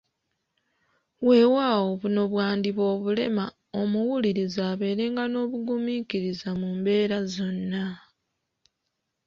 Weewaawo buno bwandiba obulema ,omuwuliriza abeerenga n’obugumiikiriza mu mbeera zonna .